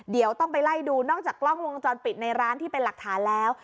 เดี๋ยวต้องไปไล่ดูนอกจากกล้องวงจรปิดในร้านที่เป็นหลักฐานแล้ว